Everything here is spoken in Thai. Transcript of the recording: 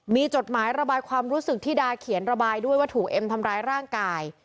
มีจดหมายระบายความรู้สึกที่ดาเขียนระบายด้วยว่าถูกเอ็มทำร้ายร่างกาย